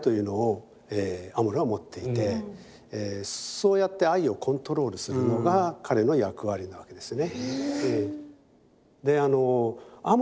そうやって愛をコントロールするのが彼の役割なわけですね。